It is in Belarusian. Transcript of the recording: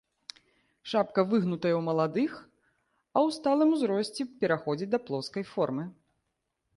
Шапка выгнутая ў маладых, а ў сталым узросце пераходзіць да плоскай формы.